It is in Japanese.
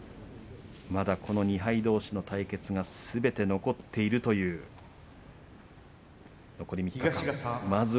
まずはこの２敗どうしの対決がすべて残っているという残り３日間。